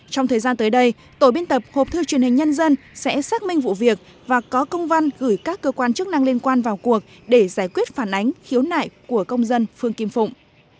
trong thời gian tới đây tổ biên tập hộp thư truyền hình nhân dân sẽ xác minh vụ việc và có công văn gửi các cơ quan chức năng liên quan vào cuộc để giải quyết phản ánh khiếu nại của công dân phương kim phụng